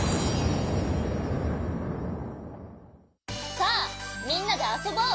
さあみんなであそぼう！